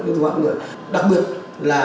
với các loại người đặc biệt là